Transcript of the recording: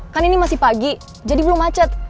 kan ini masih pagi jadi belum macet